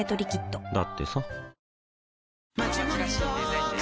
だってさ